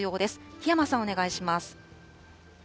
檜山さん、お願いします。